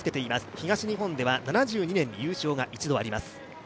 東日本では７２年に優勝が１度あります。